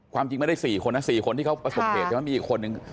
ความจริงไม่ได้๔คนนะ๔คนที่เขาประสบเหตุใช่ไหมมีอีกคนนึง